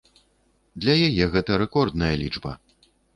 Для яе гэта рэкордная лічба.